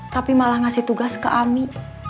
tapi malah ngasih tugas ke ami